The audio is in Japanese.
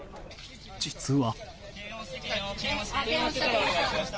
実は。